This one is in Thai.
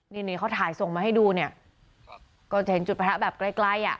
นี่นี่เขาถ่ายส่งมาให้ดูเนี่ยก็จะเห็นจุดประทะแบบใกล้ใกล้อ่ะ